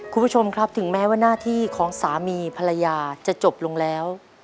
คุณผู้ชมครับถึงแม้ว่าหน้าที่ของสามีภรรยาจะจบลงแล้ว